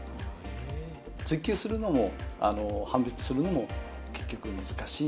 追及するのも判別するのも結局、難しい。